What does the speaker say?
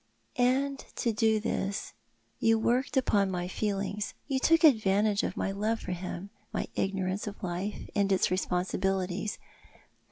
And to do this you worked upon my feelings — you took advantage of my love for him, my ignorance of life and its responsibilities.